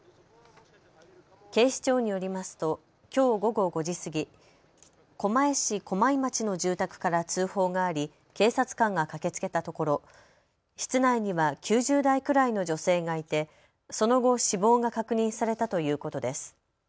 警視庁によりますときょう午後５時過ぎ狛江市駒井町の住宅から通報があり警察官が駆けつけたところ、室内には９０代くらいの女性がいて、その後死亡が確認されたということです。